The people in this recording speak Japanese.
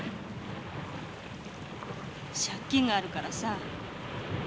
借金があるからさ。